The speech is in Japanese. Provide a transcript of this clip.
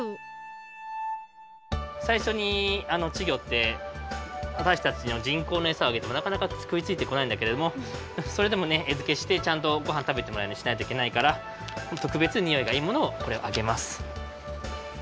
さいしょにちぎょってわたしたちのじんこうのエサをあげてもなかなかくいついてこないんだけれどもそれでもねえづけしてちゃんとごはんたべてもらうようにしないといけないからとくべつにおいがいいものをこれをあげます。